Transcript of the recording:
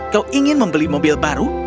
kau ingin membeli mobil baru